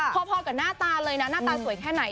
พอกับหน้าตาเลยนะหน้าตาสวยแค่ไหน